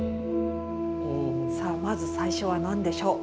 さあまず最初は何でしょう？